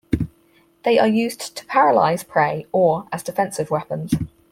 They are used to paralyze prey, or as defensive weapons.